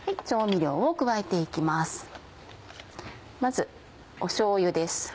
調味料を加えて行きます。